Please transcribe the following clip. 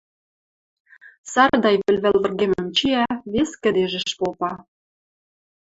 Сардай вӹлвӓл выргемӹм чиӓ, вес кӹдежӹш попа.